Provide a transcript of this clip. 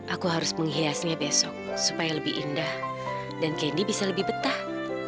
aku harus menghiasnya besok supaya lebih indah dan kendi bisa lebih betah